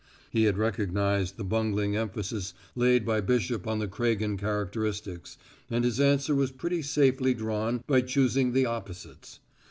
He had recognized the bungling emphasis laid by Bishop on the Craigen characteristics, and his answer was pretty safely drawn by choosing the opposites.